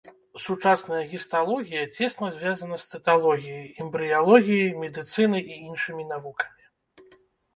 Сучасная гісталогія цесна звязана з цыталогіяй, эмбрыялогіяй, медыцынай і іншымі навукамі.